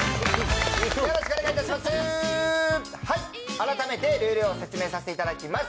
改めてルールを説明させていただきます。